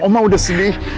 omah udah sedih